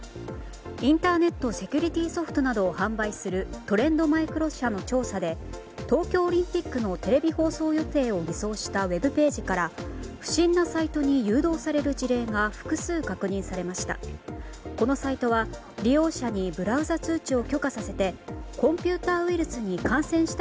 インターネットセキュリティーソフトなどを販売するトレンドマイクロ社の調査で東京オリンピックのテレビ放送予定を偽装したウェブページから不審なサイトに誘導される事例が複数確認されました。